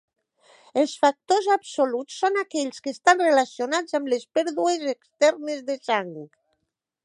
Els factors absoluts són aquells que estan relacionats amb les pèrdues externes de sang.